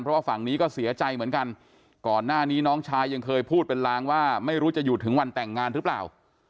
เพราะว่าฝั่งนี้ก็เสียใจเหมือนกันก่อนหน้านี้น้องชายยังเคยพูดเป็นลางว่าไม่รู้จะอยู่ถึงวันแต่งงานหรือเปล่า